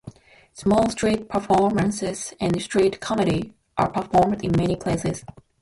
Small street performances and street comedy are performed in many places.